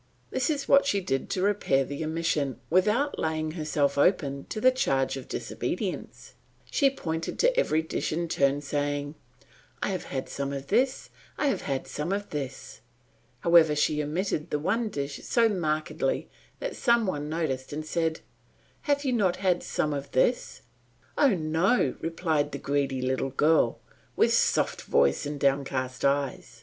This is what she did to repair the omission without laying herself open to the charge of disobedience; she pointed to every dish in turn, saying, "I've had some of this; I've had some of this;" however she omitted the one dish so markedly that some one noticed it and said, "Have not you had some of this?" "Oh, no," replied the greedy little girl with soft voice and downcast eyes.